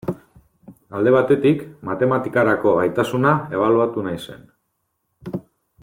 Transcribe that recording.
Alde batetik, matematikarako gaitasuna ebaluatu nahi zen.